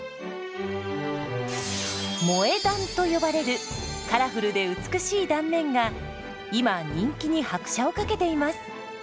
「萌え断」と呼ばれるカラフルで美しい断面が今人気に拍車をかけています。